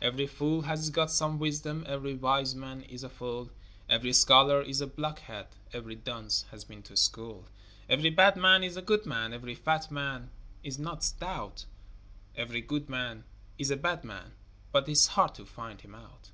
Every fool has got some wisdom, Every wise man is a fool, Every scholar is a block head, Every dunce has been to school. Every bad man is a good man, Every fat man is not stout, Every good man is a bad man But 'tis hard to find him out.